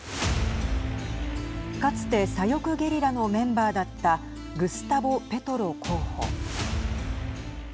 かつて左翼ゲリラのメンバーだったグスタボ・ペトロ候補。